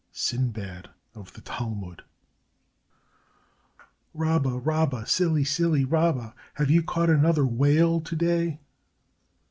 Sinbad of the Talmud "Rabba, Rabba, silly, silly Rabba, have you caught another whale to day?"